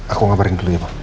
aku ngabarin dulu ya pak